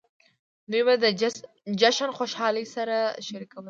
دوی به د جشن خوشحالۍ سره شریکولې.